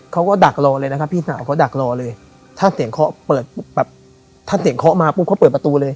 ดักรอเลยนะครับพี่สาวเขาดักรอเลยถ้าเสียงเคาะเปิดปุ๊บแบบถ้าเสียงเคาะมาปุ๊บเขาเปิดประตูเลย